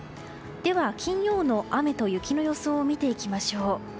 では、金曜の雨と雪の予想を見ていきましょう。